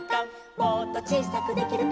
「もっとちいさくできるかな」